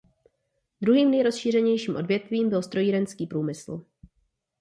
Druhým nejrozšířenějším odvětvím byl strojírenský průmysl.